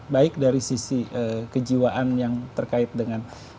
baik dari sisi kejiwaan yang terkait dengan